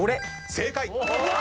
正解！